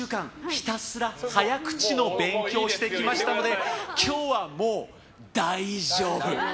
ひたすら早口の勉強をしてきましたので今日は、もう大丈夫！